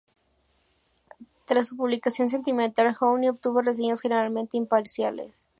Tras su publicación, "Sentimental Journey" obtuvo reseñas generalmente imparciales.